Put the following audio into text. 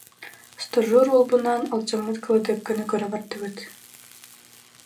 Стажер уолбунаан алдьаммыт кыладыапканы көрө бардыбыт